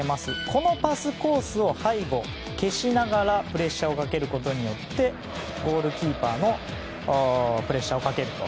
このパスコースを背後、消しながらプレッシャーをかけることでゴールキーパーのプレッシャーをかけると。